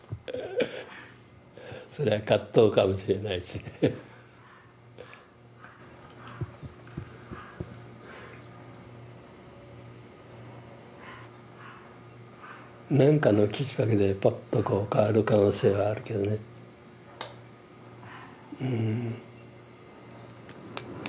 それは葛藤かもしれないし何かのきっかけでぱっと変わる可能性はあるけどねああ